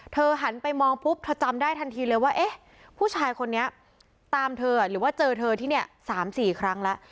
หันไปมองปุ๊บเธอจำได้ทันทีเลยว่าเอ๊ะผู้ชายคนนี้ตามเธอหรือว่าเจอเธอที่เนี่ย๓๔ครั้งแล้ว